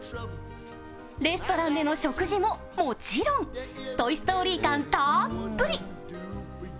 レストランでの食事も、もちろん「トイ・ストーリー」感たっぷり。